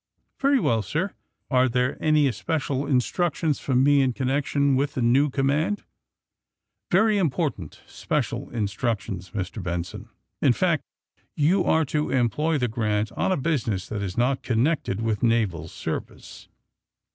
^'Very good, sir. Are there any especial in structions for me in connection with the new command V ^^Yery important special instructions, Mr. Benson. In fact, you are to employ the ^ Grant' on a business that is not connected with naval service."